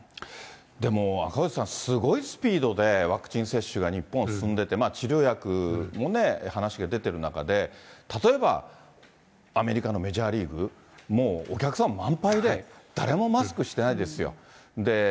でも、赤星さん、すごいスピードでワクチン接種が日本は進んでて、まあ治療薬もね、話が出てる中で、例えば、アメリカのメジャーリーグ、もうお客さん満杯で、誰もマスクしてないですよ。